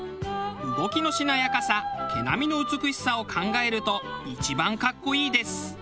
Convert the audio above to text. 動きのしなやかさ毛並みの美しさを考えると一番格好いいです！